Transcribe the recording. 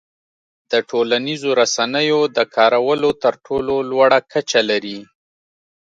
د ټولنیزو رسنیو د کارولو تر ټولو لوړه کچه لري.